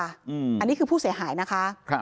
อันนี้คือผู้เสียหายนะคะ